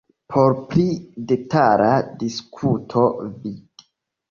Por pli detala diskuto vd.